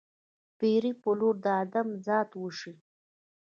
پېر پلور د ادم ذات وشي